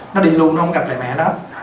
nó đi luôn nó không gặp lại mẹ nó